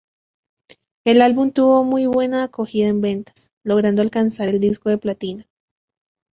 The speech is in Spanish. El álbum tuvo muy buena acogida en ventas, logrando alcanzar el disco de platino.